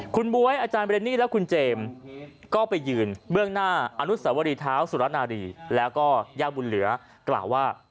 คุณบ๊วยอาจารย์เรนนี่และคุณเจมส์ก็ไปยืนเบื้องหน้าอนุสวรีเท้าสุรนารีแล้วก็ย่าบุญเหลือกล่าวว่า